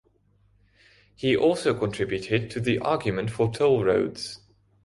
He also contributed to the argument for toll roads.